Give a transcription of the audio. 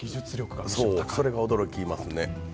それが驚きますね。